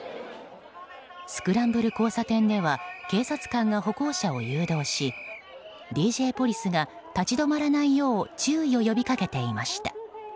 スクランブル交差点では警察官が歩行者を誘導しＤＪポリスが立ち止まらないよう注意を呼び掛けていました。